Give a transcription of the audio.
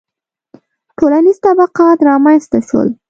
• ټولنیز طبقات رامنځته شول.